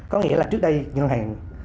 có nghĩa là trước đây ngân hàng